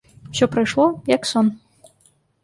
Усё прайшло, як сон.